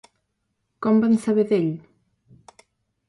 Com van saber d'ell?